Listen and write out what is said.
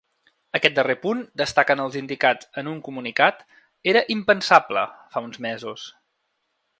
Aquest darrer punt, destaquen els indicats en un comunicat, era ‘impensable’ fa uns mesos.